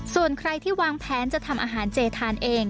ส่วนใครที่วางแผนจะทำอาหารเจทานเอง